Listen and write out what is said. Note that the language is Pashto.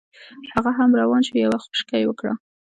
هغه هم روان شو یوه خوشکه یې وکړه.